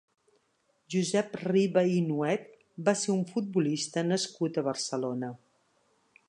Josep Riba i Nuet va ser un futbolista nascut a Barcelona.